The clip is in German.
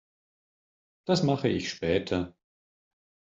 Das mache ich später.